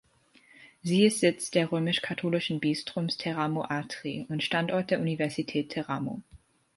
Sie ist Sitz des römisch-katholischen Bistums Teramo-Atri und Standort der Universität Teramo.